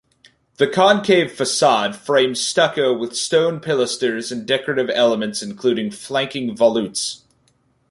The concave facade frames stucco with stone pilasters and decorative elements including flanking volutes.